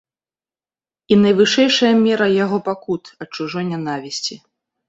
І найвышэйшая мера яго пакут ад чужой нянавісці.